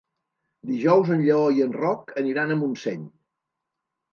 Dijous en Lleó i en Roc aniran a Montseny.